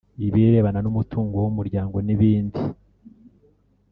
ibirebana n’umutungo w’umuryango n’ibindi